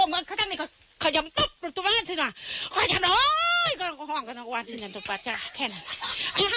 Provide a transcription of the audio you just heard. ลุดมือมันกระโกบบ้านตุ๊บลุ๊บตรูเป้นนซินะ